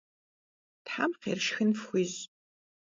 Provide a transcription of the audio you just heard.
Them xhêr şşxın fxuiş'!